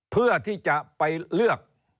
เพื่อที่จะไปเลือก